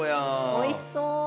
おいしそう。